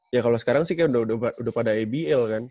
ya kalo sekarang sih udah pada ibl kan